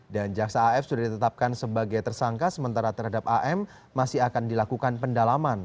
dan jaksa af sudah ditetapkan sebagai tersangka sementara terhadap am masih akan dilakukan pendalaman